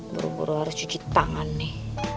buru buru harus cuci tangan nih